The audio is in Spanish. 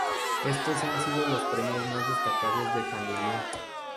Estos han sido los premios más destacados de Fanny Lu.